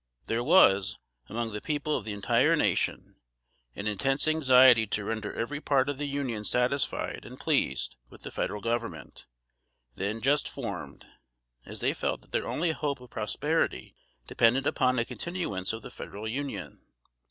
] There was, among the people of the entire nation, an intense anxiety to render every part of the Union satisfied and pleased with the Federal Government, then just formed, as they felt that their only hope of prosperity depended upon a continuance of the federal union.